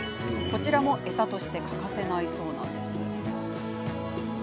こちらも餌として欠かせないそうなんです。